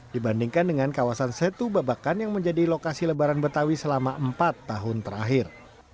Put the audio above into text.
dibandingkan dengan kawasan setu babakan yang menjadi lokasi lebaran betawi selama empat tahun terakhir